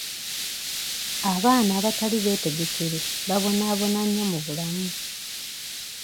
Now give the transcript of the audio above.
Abaana abatali beetegekere babonaabona nnyo mu bulamu.